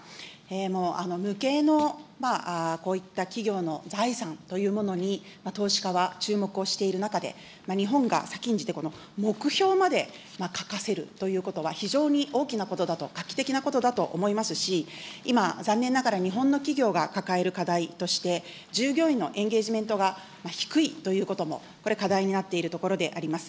もう無形のこういった企業の財産というものに投資家は注目をしている中で、日本が先んじて、この目標まで書かせるということは、非常に大きなことだと、画期的なことだと思いますし、今、残念ながら日本の企業が抱える課題として、従業員のエンゲージメントが低いということもこれ、課題になっているところであります。